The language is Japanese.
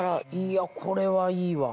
いやこれはいいわ。